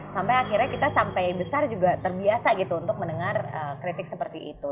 sampai akhirnya kita sampai besar juga terbiasa gitu untuk mendengar kritik seperti itu